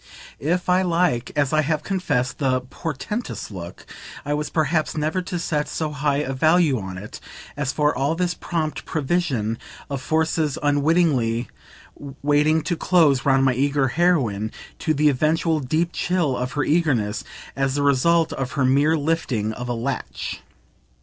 If I like, as I have confessed, the "portentous" look, I was perhaps never to set so high a value on it as for all this prompt provision of forces unwittingly waiting to close round my eager heroine (to the eventual deep chill of her eagerness) as the result of her mere lifting of a latch.